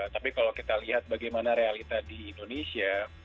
tapi kalau kita lihat bagaimana realita di indonesia